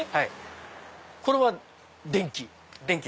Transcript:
これは電気？